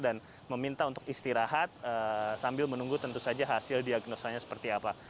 dan meminta untuk istirahat sambil menunggu tentu saja hasil diagnosanya seperti apa